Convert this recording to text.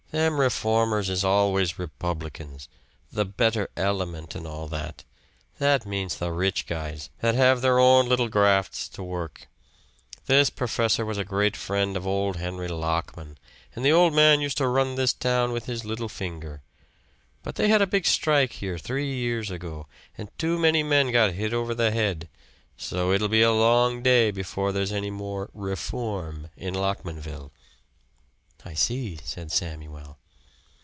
Them reformers is always Republicans the 'better element,' an' all that. That means the rich guys that have their own little grafts to work. This perfessor was a great friend of old Henry Lockman an' the old man used to run this town with his little finger. But they had a big strike here three years ago, and too many men got hit over the head. So it'll be a long day before there's any more 'reform' in Lockmanville." "I see," said Samuel.